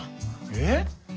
えっ？